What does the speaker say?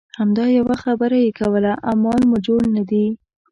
همدا یوه خبره یې کوله اعمال مو جوړ نه دي.